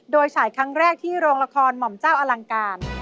โดยฉายครั้งแรกที่โรงละครหม่อมเจ้าอลังการ